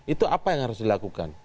itu apa yang harus dilakukan